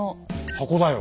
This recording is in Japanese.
箱だよ。